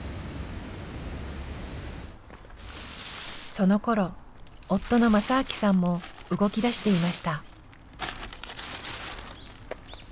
そのころ夫の昌明さんも動き出していました。